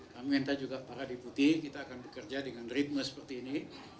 kami minta juga para deputi kita akan bekerja dengan ritme seperti ini